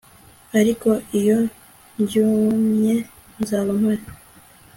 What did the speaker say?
ariko iyo byumye, nzaba mpari